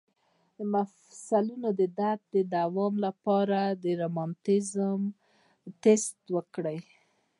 د مفصلونو د درد د دوام لپاره د روماتیزم ټسټ وکړئ